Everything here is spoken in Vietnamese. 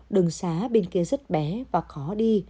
đường xá bên kia rất bé và khó đi